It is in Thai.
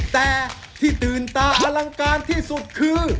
แต่ที่ตื่นตาอลังการที่สุดคือ